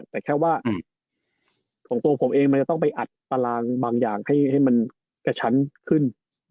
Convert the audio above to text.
แต่แค่ว่าของตัวผมเองมันจะต้องไปอัดตารางบางอย่างให้มันกระชั้นขึ้น